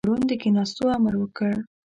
هارون د کېناستو امر وکړ.